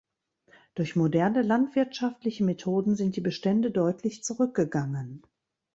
Durch moderne landwirtschaftliche Methoden sind die Bestände deutlich zurückgegangen.